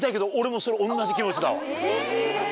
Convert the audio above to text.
うれしいです。